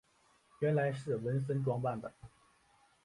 原来是文森装扮的。